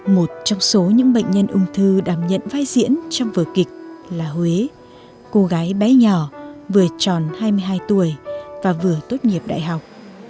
một trong số những bệnh nhân ung thư đảm nhận vai diễn trong vở kịch là huế cô gái bé nhỏ vừa tròn hai mươi hai tuổi và vừa tốt nghiệp đại học